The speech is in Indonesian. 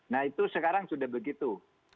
nah itu sekarang sudah begitu